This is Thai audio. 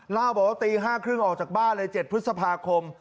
เล่าบอกว่าตี๕๓๐ออกจากบ้านเลย๗พฤษภาคม